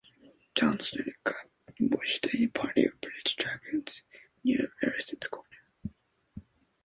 John Schenck ambushed a party of British dragoons near Larison's Corner.